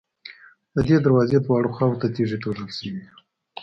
د دې دروازې دواړو خواوو ته تیږې توږل شوې وې.